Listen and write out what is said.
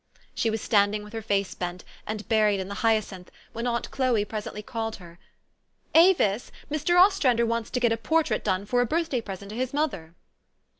She was standing with her face bent, and buried in the hyacinth, when aunt Chloe presently called her: " Avis, Mr. Ostrander wants to get a portrait done for a birthday present to his mother."